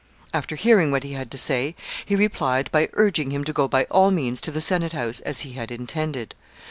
After hearing what he had to say, he replied by urging him to go by all means to the senate house, as he had intended.